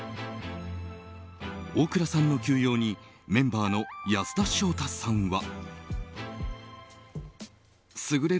大倉さんの休養にメンバーの安田章大さんは。